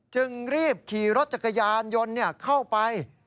จึงรีบขี่รถจักรยานยนต์เข้าไป